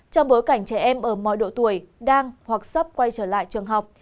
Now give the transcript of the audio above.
trong bối cảnh trẻ em ở mọi độ tuổi đang hoặc sắp quay trở lại trường học